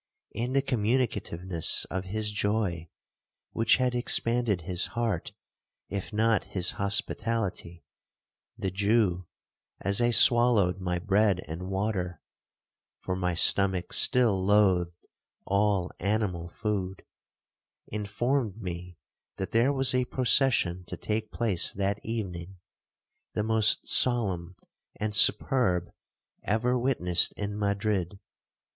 In the communicativeness of his joy, which had expanded his heart, if not his hospitality, the Jew, as I swallowed my bread and water, (for my stomach still loathed all animal food), informed me that there was a procession to take place that evening, the most solemn and superb ever witnessed in Madrid.